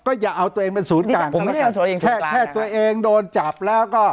อย่าเอาตัวเองเป็นศูนย์กลางแค่แค่ตัวเองโดนจับแล้วก็